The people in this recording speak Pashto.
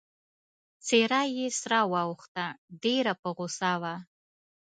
څېره يې سره واوښته، ډېره په غوسه وه.